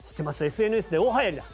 ＳＮＳで大流行りだ。